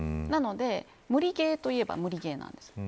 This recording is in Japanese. なので無理ゲーといえば無理ゲーなんです。